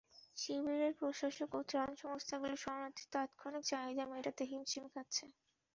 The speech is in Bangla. শিবিরের প্রশাসক ও ত্রাণ সংস্থাগুলো শরণার্থীদের তাৎক্ষণিক চাহিদা মেটাতে হিমশিম খাচ্ছে।